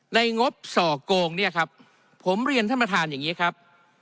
งบส่อโกงเนี่ยครับผมเรียนท่านประธานอย่างนี้ครับ